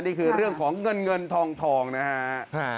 นี่คือเรื่องของเงินทองนะครับ